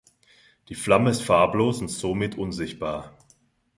Die Flamme ist farblos und somit unsichtbar.